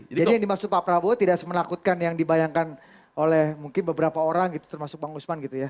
jadi yang dimaksud pak prabowo tidak semenakutkan yang dibayangkan oleh mungkin beberapa orang termasuk bang usman gitu ya